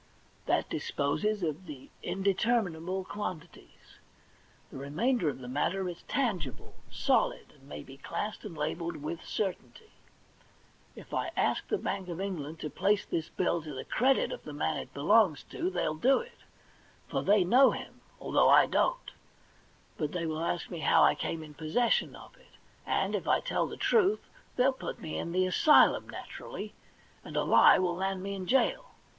That disposes of the indeterminable quantities ; the remainder of the matter is tangible, solid, and may be classed and labelled with certainty. If I ask the Bank of England to place this bill to the credit of the man it belongs to, they'll do it, for they know him, although I don't; but they will ask me how I came in possession of it, and if I tell the truth, they'll put me in the asylum, naturally, and a lie will land me in jail.